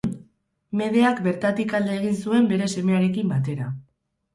Medeak bertatik alde egin zuen bere semearekin batera.